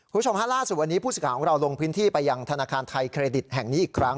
คุณผู้ชมฮะล่าสุดวันนี้ผู้สิทธิ์ของเราลงพื้นที่ไปยังธนาคารไทยเครดิตแห่งนี้อีกครั้ง